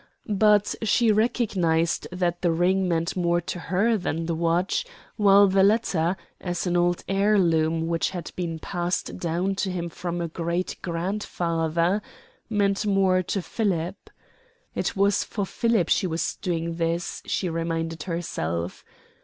But she recognized that the ring meant more to her than the watch, while the latter, as an old heirloom which had been passed down to him from a great grandfather, meant more to Philip. It was for Philip she was doing this, she reminded herself.